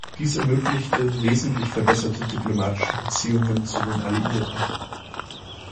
Dies ermöglichte wesentlich verbesserte diplomatische Beziehungen zu den Alliierten.